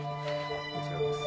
こちらです。